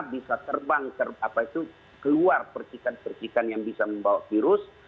bisa terbang keluar percikan percikan yang bisa membawa virus